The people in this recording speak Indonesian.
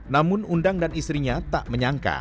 namun undang dan istrinya tak menyangka